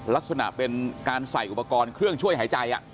ลักษณะเป็นการใส่อุปกรณ์เครื่องช่วยหายใจ